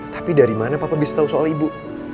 tapi dari mana papa bisa tahu soal ibu